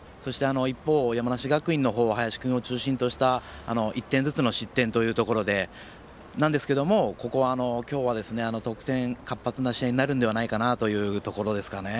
一方、山梨学院は林君を中心とした１点ずつの失点というところなんですけどもここは今日は得点活発な試合になるのではないかなというところですね。